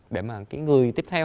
để mà người tiếp theo